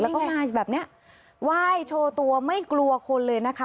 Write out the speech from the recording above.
แล้วก็มาแบบเนี้ยไหว้โชว์ตัวไม่กลัวคนเลยนะคะ